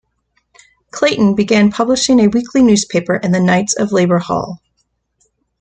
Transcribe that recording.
Clayton began publishing a weekly newspaper in the Knights of Labor Hall.